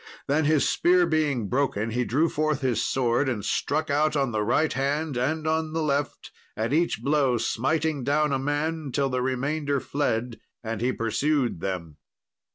Then, his spear being broken, he drew forth his sword and struck out on the right hand and on the left, at each blow smiting down a man, till the remainder fled, and he pursued them.